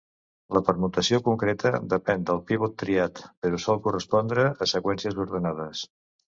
La permutació concreta depèn del pivot triat, però sol correspondre a seqüències ordenades.